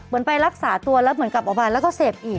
เหมือนไปรักษาตัวแล้วก็กลับเอาออกมาเสบอีก